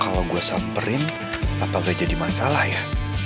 kalau gue samperin apa gak jadi masalah ya